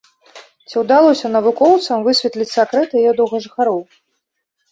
Ці ўдалося навукоўцам высветліць сакрэт яе доўгажыхароў?